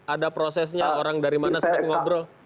ada prosesnya orang dari mana sempat ngobrol